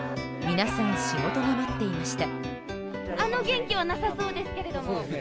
皆さん、仕事が待っていました。